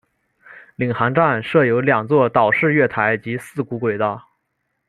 领航站设有两座岛式月台及四股轨道。